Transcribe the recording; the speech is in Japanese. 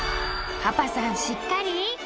パパさんしっかり！